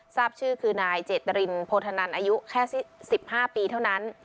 ทราบชื่อคืนายเจษริริมโพธนันต์อายุแค่สิบห้าปีเท่านั้น